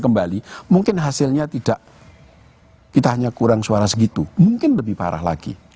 kembali mungkin hasilnya tidak kita hanya kurang suara segitu mungkin lebih parah lagi